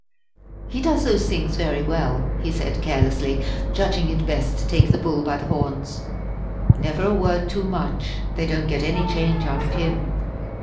"He does those things very well," he said carelessly, judging it best to take the bull by the horns. "Never a word too much they don't get any change out of him.